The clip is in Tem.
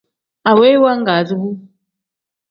Aweyi waagazi bu.